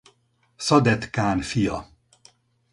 Szadet kán fia.